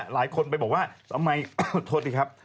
หลายคนไปบอกว่าทำไมอดทนดีครับ